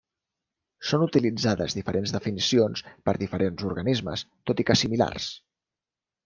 Són utilitzades diferents definicions per diferents organismes, tot i que similars.